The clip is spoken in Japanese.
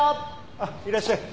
あっいらっしゃい。